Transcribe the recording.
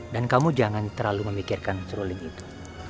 dan kamu jangan terlalu memikirkan strolling itu